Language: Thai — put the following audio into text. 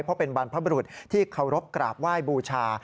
เพราะเป็นบรรพบรุษที่เคารพกราบไหว้บูชา